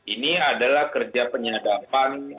ini adalah kerja penyadapan